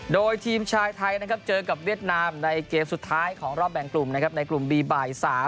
โดยทีมชายไทยนะครับเจอกับเวียดนามในเกมสุดท้ายของรอบแบ่งกลุ่มนะครับในกลุ่มบีบ่าย๓